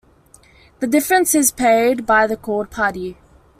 The difference is paid by the called party.